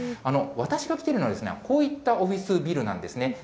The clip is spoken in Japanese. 私が来ているのは、こういったオフィスビルなんですね。